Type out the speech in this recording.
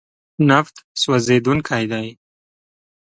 نفت سوځېدونکی دی.